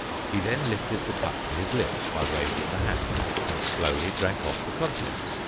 He then lifted the cup to his lips by raising the hat, and slowly drank off the contents.